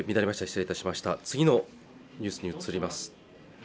失礼いたしました次のニュースに移ります